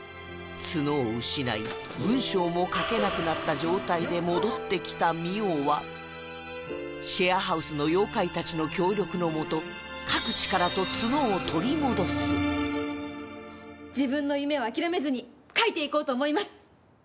角を失い文章も書けなくなった状態で戻ってきた澪はシェアハウスの妖怪たちの協力のもと自分の夢を諦めずに書いていこうと思います！